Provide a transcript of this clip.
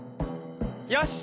よし。